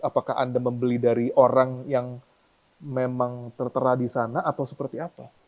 apakah anda membeli dari orang yang memang tertera di sana atau seperti apa